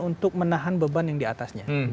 untuk menahan beban yang diatasnya